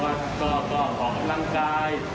คุณพ่อก็ออกกับร่างกาย